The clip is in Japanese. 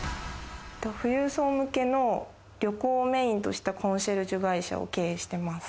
富裕層向けの旅行をメインとしたコンシェルジュ会社を経営しています。